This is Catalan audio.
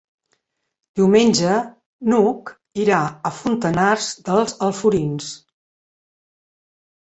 Diumenge n'Hug irà a Fontanars dels Alforins.